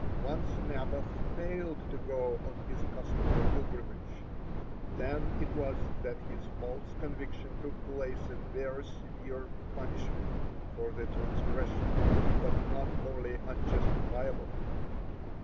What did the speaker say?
Once Naboth failed to go on his customary pilgrimage. Then it was that his false conviction took place a very severe punishment for the transgression, but not wholly unjustifiable.